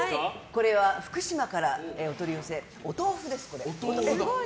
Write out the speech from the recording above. これは福島からお取り寄せお豆腐です、これ。